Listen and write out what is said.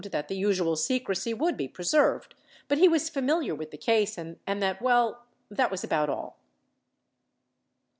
718 that the usual secrecy would be preserved, but he was familiar with the case and that — well, that was about all.